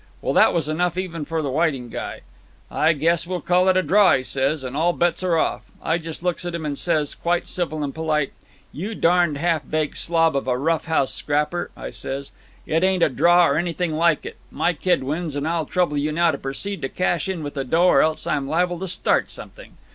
Well, that was enough even for the Whiting guy. 'I guess we'll call it a draw,' he says, 'and all bets off.' I just looks at him and says, quite civil and polite: 'You darned half baked slob of a rough house scrapper,' I says, 'it ain't a draw or anything like it. My kid wins, and I'll trouble you now to proceed to cash in with the dough, or else I'm liable to start something.